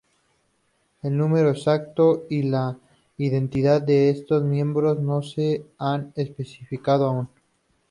El número exacto y la identidad de estos miembros no se han especificado aún.